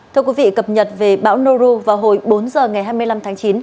thưa quý vị cập nhật về bão noru vào hồi bốn giờ ngày hai mươi năm tháng chín